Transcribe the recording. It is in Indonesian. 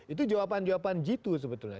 itu jawaban jawaban jitu sebetulnya